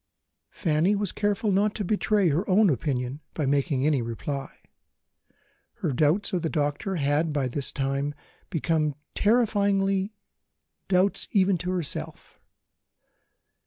Fanny was careful not to betray her own opinion by making any reply; her doubts of the doctor had, by this time, become terrifying doubts even to herself.